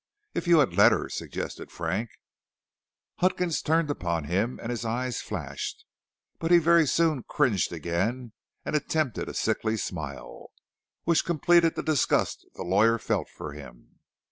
"If you had let her," suggested Frank. Huckins turned upon him and his eye flashed. But he very soon cringed again and attempted a sickly smile, which completed the disgust the young lawyer felt for him.